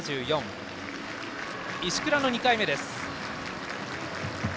そして石倉の２回目です。